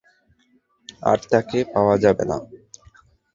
আর তাকে পাওয়া যাবে না।